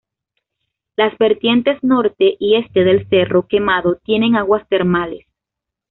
Las vertientes norte y este del Cerro Quemado tienen aguas termales.